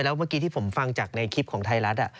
แล้วเมื่อกี้ที่ผมฟังจากในคลิปของไทยรัฐ